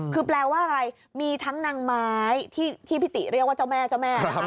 คือแปลว่าอะไรมีทั้งนางไม้ที่พิธีเรียกว่าเจ้าแม่นะครับ